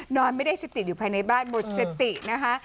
นอนไม่ได้สติอยู่ภายในบ้านหมดสตินะคะ